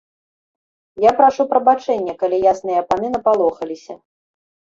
Я прашу прабачэння, калі ясныя паны напалохаліся.